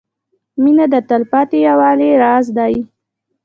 • مینه د تلپاتې یووالي راز دی.